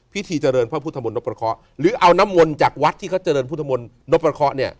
พิธีเจริญพระพุทธมนตประเคาะหรือเอาน้ำมนต์จากวัดที่เขาเจริญพุทธมนต์นพประเคาะเนี่ย